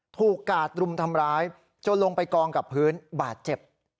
กาดรุมทำร้ายจนลงไปกองกับพื้นบาดเจ็บ